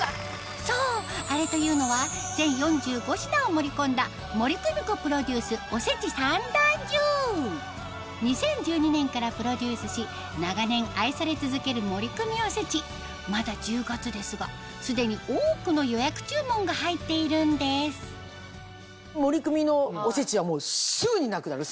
そうあれというのは全４５品を盛り込んだ２０１２年からプロデュースし長年愛され続ける「森クミおせち」まだ１０月ですが既に多くの予約注文が入っているんです森クミのおせちはすぐになくなる！